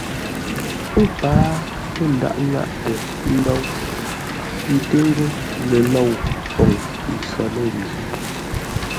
O páa lə́ ńdághʼ ŋáʼtə ńdóu, ńté ńgó ləlôu poŋ ntsə̌ lə́ju.